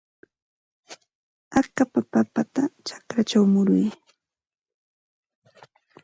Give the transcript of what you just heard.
Akapa papata chakrachaw muruy.